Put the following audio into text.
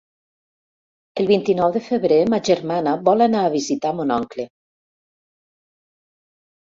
El vint-i-nou de febrer ma germana vol anar a visitar mon oncle.